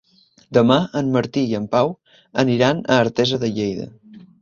Demà en Martí i en Pau aniran a Artesa de Lleida.